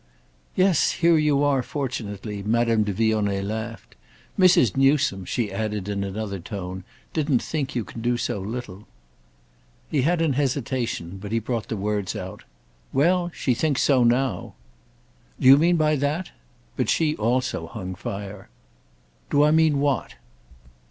"Yes, here you are, fortunately!" Madame de Vionnet laughed. "Mrs. Newsome," she added in another tone, "didn't think you can do so little." He had an hesitation, but he brought the words out. "Well, she thinks so now." "Do you mean by that—?" But she also hung fire. "Do I mean what?"